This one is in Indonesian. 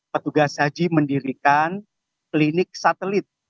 petugas haji mendirikan klinik satelit